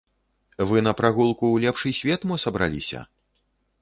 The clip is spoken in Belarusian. Вы на прагулку ў лепшы свет мо сабраліся?